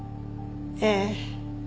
ええ。